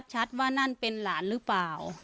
ชัดว่านั่นเป็นหลานหรือเปล่า